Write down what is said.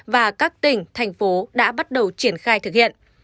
và các tỉnh thành phố đã bắt đầu triển khai thực hiện